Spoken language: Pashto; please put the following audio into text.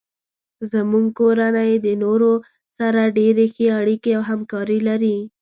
زمونږ کورنۍ د نورو سره ډیرې ښې اړیکې او همکاري لري